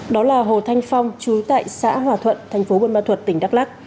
đó là hồ thanh phong trú tại xã hòa thuận thành phố bôn ma thuật tỉnh đắk lắc